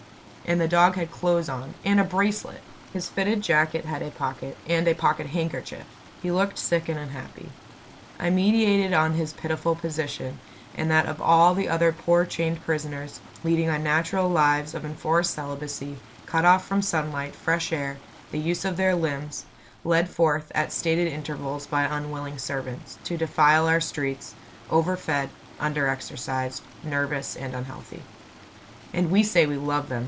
And the dog had clothes on and a bracelet! His fitted jacket had a pocket and a pocket handkerchief! He looked sick and unhappy. I meditated on his pitiful position, and that of all the other poor chained prisoners, leading unnatural lives of enforced celibacy, cut off from sunlight, fresh air, the use of their limbs; led forth at stated intervals by unwilling servants, to defile our streets; over fed, under exercised, nervous and unhealthy. "And we say we love them!"